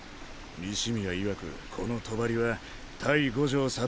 西宮いわくこの帳は対五条悟